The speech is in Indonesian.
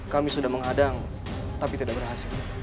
kami sudah menghadang tapi tidak berhasil